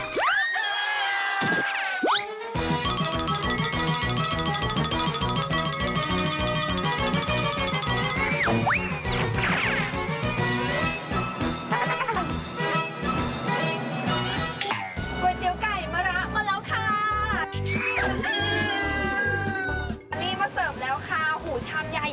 ก๋วยติ๊วไก่มาระมาแล้วค่าาาา